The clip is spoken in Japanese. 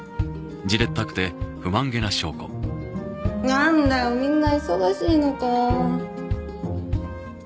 なんだよみんな忙しいのかよ